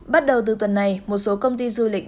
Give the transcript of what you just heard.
bắt đầu từ tuần này một số công ty du lịch